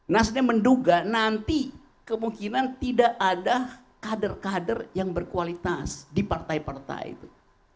nasdem menduga nanti kemungkinan tidak ada kader kader yang berkualitas di partai partai itu